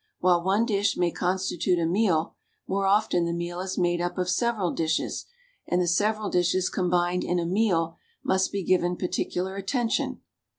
While one dish may constitute a meal, more often the meal is made up of several dishes, and the several dishes combined in a meal must be given particular attention.